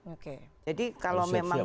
oke jadi kalau memang